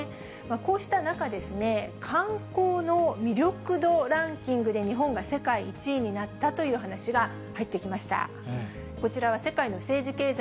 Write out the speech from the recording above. こうした中、観光の魅力度ランキングで日本が世界１位になったという話が入ってきました。